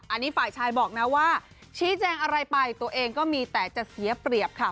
อันนี้ฝ่ายชายบอกนะว่าชี้แจงอะไรไปตัวเองก็มีแต่จะเสียเปรียบค่ะ